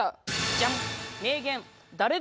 ジャン！